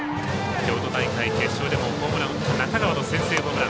京都大会決勝でもホームランを打った中川の先制ホームラン。